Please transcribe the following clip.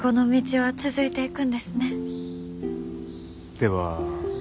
では。